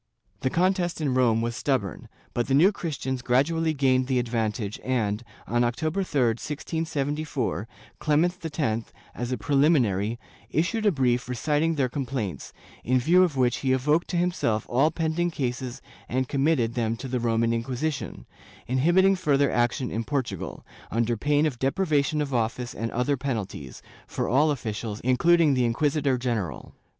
^ The contest in Rome was stubborn, but the New Christians grad ually gained the advantage and, on October 3, 1674, Clement X, as a preliminary, issued a brief reciting their complaints, in view of which he evoked to himself all pending cases and committed them to the Roman Inquisition, inhibiting further action in Portu gal, under pain of deprivation of office and other penalties, for all officials, including the inquisitor general.